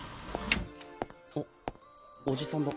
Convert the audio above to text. あっおじさんだ。